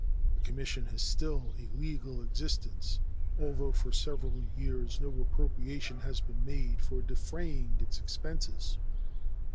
The Commission has still a legal existence, although for several years no appropriation has been made for defraying its expenses.